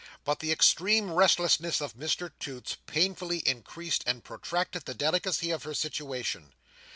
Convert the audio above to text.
But the extreme restlessness of Mr Toots painfully increased and protracted the delicacy of her situation.